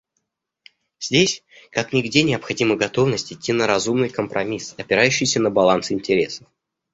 Здесь как нигде необходима готовность идти на разумный компромисс, опирающийся на баланс интересов.